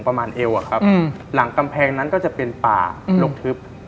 ประมาณเอวครับหลังกำแพงนั้นก็จะเป็นป่ารกทึบ